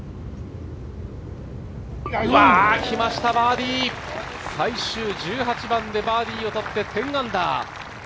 来ました、バーディー、最終１８番でバーディーをとって１０アンダー。